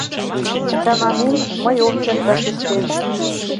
Чаманем: мый ом керт вашештен